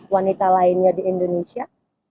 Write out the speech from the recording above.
wanita lainnya di indonesia